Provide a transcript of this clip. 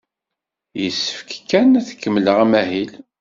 Yessefk kan ad kemmleɣ amahil.